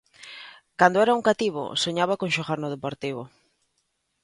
Cando era un cativo soñaba con xogar no Deportivo.